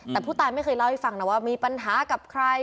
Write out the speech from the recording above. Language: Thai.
แต่ผู้ตายไม่เคยเล่าให้ฟังนะว่ามีปัญหากับใคร